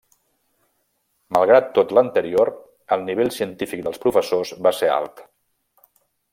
Malgrat tot l'anterior, el nivell científic dels professors va ser alt.